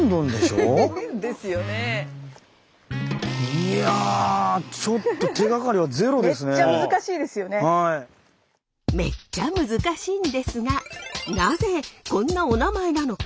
いやちょっとめっちゃ難しいんですがなぜこんなお名前なのか？